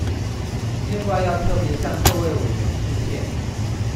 另外要特別向各位委員致歉